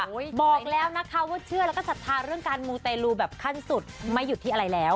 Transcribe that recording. โปะขอบค่าว่าเราก็เชื่อเรื่องการมูเตยลูแบบขั้นสุดไม่อยู่ที่อะไรแล้ว